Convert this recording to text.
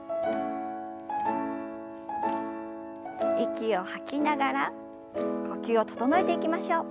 息を吐きながら呼吸を整えていきましょう。